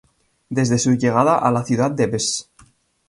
Desde su llegada a la ciudad de Bs.